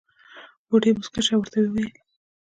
بوډۍ موسکۍ شوه او ورته وې وېل.